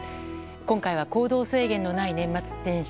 今回は行動制限のない年末年始。